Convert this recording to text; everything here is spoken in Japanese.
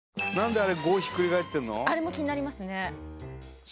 あれも気になりますね